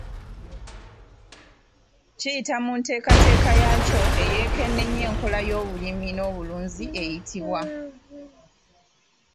Kiyita mu nteekateeka yaakyo eyeekenneenya enkola y’ebyobulimi n’obulunzi eyitibwa.